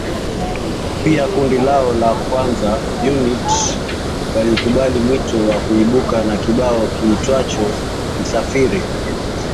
Pia kundi lao la Kwanza Unit walikubali mwito na kuibuka na kibao kiitwacho Msafiri